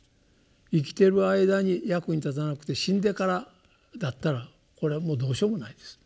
生きてる間に役に立たなくて死んでからだったらこれはもうどうしようもないです。